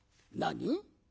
何？